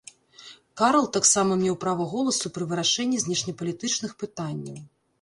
Карл таксама меў права голасу пры вырашэнні знешнепалітычных пытанняў.